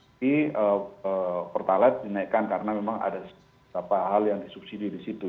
tapi pertalaid dinaikkan karena memang ada beberapa hal yang disubsidi disitu